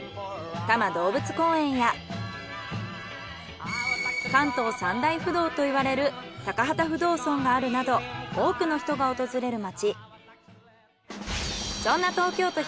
多摩動物公園や関東三大不動といわれる高幡不動尊があるなど多くの人が訪れる町。